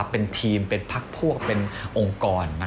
เป็นทีมเป็นพักพวกเป็นองค์กร